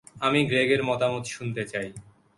আমি গ্রেগের মতামত শুনতে চাই।